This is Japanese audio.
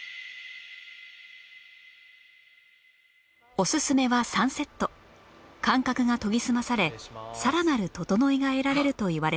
おすすめは３セット感覚が研ぎ澄まされさらなるととのいが得られるといわれています